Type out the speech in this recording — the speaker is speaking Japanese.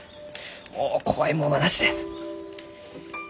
もう怖いもんはなしです。